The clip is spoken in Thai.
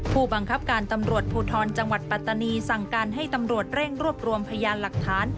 ผู้บังคับการตำรวจภูทรจังหวัดปัตตานีสั่งการให้ตำรวจเร่งรวบรวมพยานหลักฐาน